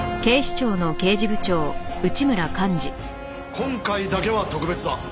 今回だけは特別だ。